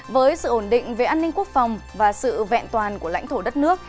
với sự ổn định về an ninh quốc phòng và sự vẹn toàn của lãnh thổ đất nước